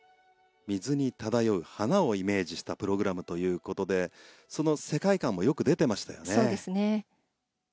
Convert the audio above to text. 水に漂う花をイメージしたプログラムということでその世界観もよく出ていましたよね。